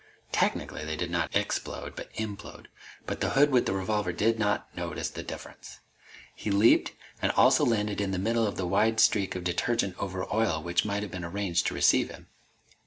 Technically, they did not explode but implode, but the hood with the revolver did not notice the difference. He leaped and also landed in the middle of the wide streak of detergent over oil which might have been arranged to receive him.